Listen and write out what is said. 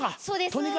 そうです。